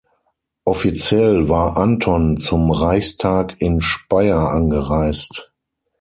Offiziell war Anton zum Reichstag in Speyer angereist.